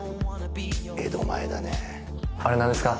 江戸前だねあれ何ですか？